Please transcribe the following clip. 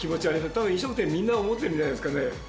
たぶん、飲食店みんな思ってるんじゃないですかね。